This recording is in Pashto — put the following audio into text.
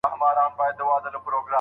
د زلمیو تویېدل پکښي سرونه